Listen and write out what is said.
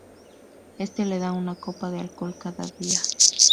Este le da una copa de alcohol cada día.